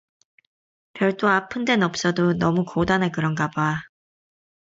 별도 아픈텐 없어도 너무 고단해 그런가 봐.